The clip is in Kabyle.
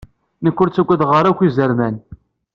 Nekk ur ttagadeɣ akk izerman.